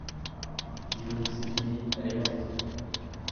-Dis donc, c'est fini, elle est morte.